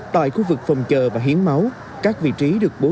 tại khu vực phòng chờ và hiến máu các vị trí được cung ứng